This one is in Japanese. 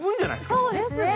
そうですね！